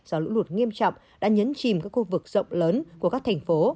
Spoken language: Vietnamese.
do lũ lụt nghiêm trọng đã nhấn chìm các khu vực rộng lớn của các thành phố